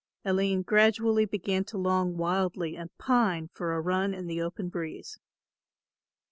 Aline gradually began to long wildly and pine for a run in the open breeze.